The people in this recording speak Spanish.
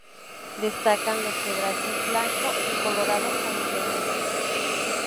Destacan los quebrachos blanco y colorado santiagueño.